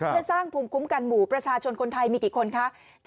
เพื่อสร้างภูมิคุ้มกันหมู่ประชาชนคนไทยมีกี่คนคะ